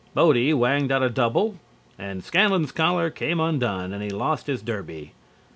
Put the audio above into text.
Bodie whanged out a double and Scanlon's collar came undone and he lost his derby.